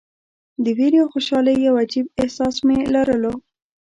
د ویرې او خوشالۍ یو عجیب احساس مې لرلو.